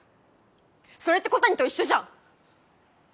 それって小谷と一緒じゃん！